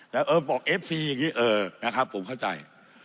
แต่เออบอกเอฟซีอย่างนี้เออนะครับผมเข้าใจ